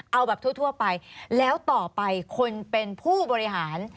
เอาแบบทั่วไปแล้วต่อไปคนเป็นผู้บริหาร